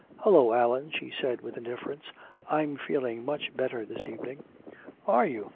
"Hello, Allan," she said with indifference. "I'm feeling much better this evening." "Are you?